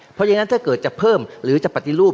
เพราะฉะนั้นถ้าเกิดจะเพิ่มหรือจะปฏิรูป